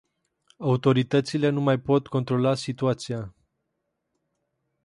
Autoritățile nu mai pot controla situația.